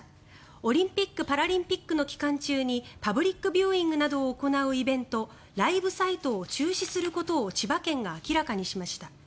オリンピック・パラリンピックの期間中にパブリックビューイングなどを行うイベントライブサイトを中止することを千葉県が明らかにしました。